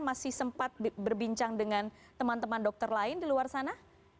masih sempat berbincang dengan teman teman dokter lain di luar sana